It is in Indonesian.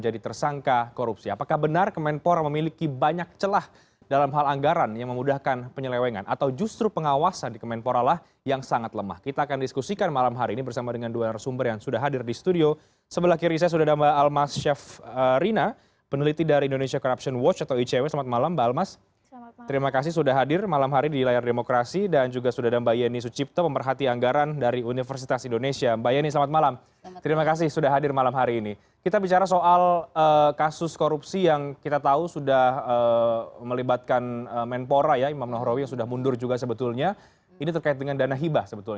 diberikan ruang atau kewenangan yang lebih buat kementerian ketika ada instansi atau lembaga yang meminta ibah